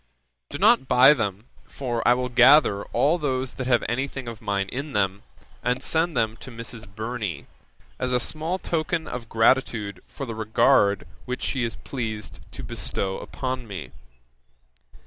Do not buy them, for I will gather all those that have anything of mine in them, and send them to Mrs. Burney, as a small token of gratitude for the regard which she is pleased to bestow upon me.